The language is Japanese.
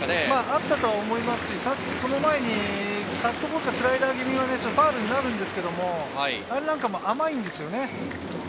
あったと思いますし、その前にカットボールがスライダー気味のファウルになるんですけれど、あれなんかも甘いんですよね。